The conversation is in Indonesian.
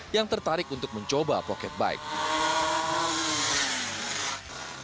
yang tertarik untuk mencoba pocket bike